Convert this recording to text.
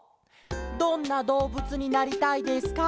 「どんなどうぶつになりたいですか？